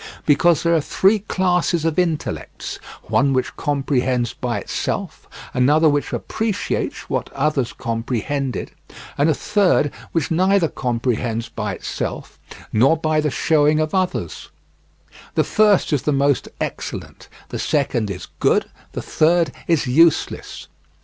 Because there are three classes of intellects: one which comprehends by itself; another which appreciates what others comprehended; and a third which neither comprehends by itself nor by the showing of others; the first is the most excellent, the second is good, the third is useless.